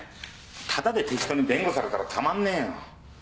タダで適当に弁護されたらたまんねえよ。